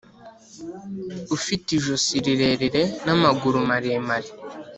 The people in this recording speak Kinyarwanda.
ufite ijosi rirerire n'amaguru maremare,